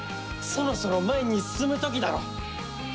そろそろ前に進むときだろ！